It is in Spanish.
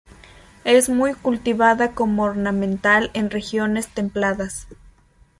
Es muy cultivada como ornamental en regiones templadas.